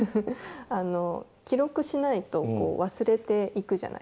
あの記録しないと忘れていくじゃないですか。